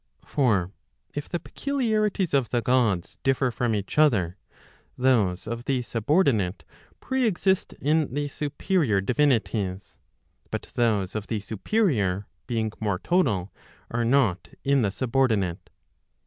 For if the peculiarities of the Gods differ from each other, those of the subordinate preexist in the superior divinities ; but those of the superior being more total, are not in the subordinate.